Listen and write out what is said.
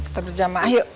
ayo ya tetap berjamaah ayo